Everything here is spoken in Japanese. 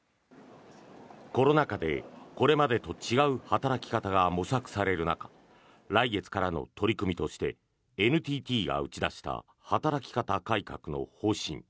コロナ禍でこれまでと違う働き方が模索される中来月からの取り組みとしてＮＴＴが打ち出した働き方改革の方針